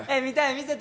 見せて。